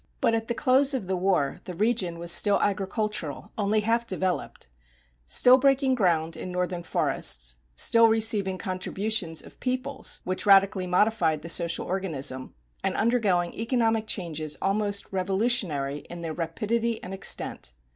But at the close of the war the region was still agricultural, only half developed; still breaking ground in northern forests; still receiving contributions of peoples which radically modified the social organism, and undergoing economic changes almost revolutionary in their rapidity and extent.